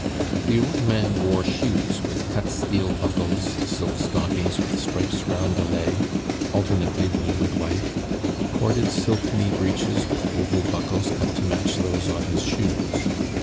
The old man wore shoes with cut steel buckles, silk stockings with stripes round the leg, alternately blue and white, corded silk knee breeches with oval buckles cut to match those on his shoes.